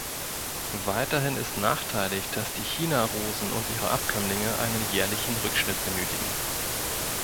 Weiterhin ist nachteilig, dass die China-Rosen und ihre Abkömmlinge einen jährlichen Rückschnitt benötigen.